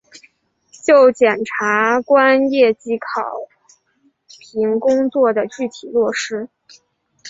就检察官业绩考评工作的具体落实